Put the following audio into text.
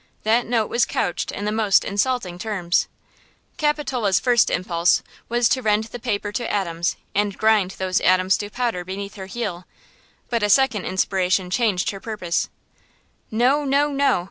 That note was couched in the most insulting terms. Capitola's first impulse was to rend the paper to atoms and grind those atoms to powder beneath her heel. But a second inspiration changed her purpose. "No–no–no!